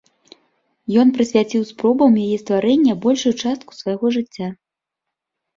Ён прысвяціў спробам яе стварэння большую частку свайго жыцця.